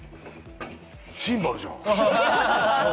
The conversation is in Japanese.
シンバルじゃん！